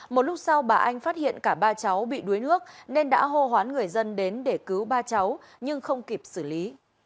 một lúc sau bà anh phát hiện cả ba cháu bị đuối nước nên đã hô hoán người dân đến để cứu ba cháu nhưng không kịp xử lý